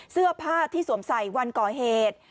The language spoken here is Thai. เสื้อผ้าที่สวมใส่วันก่อเหตุ